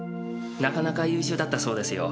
なかなか優秀だったそうですよ。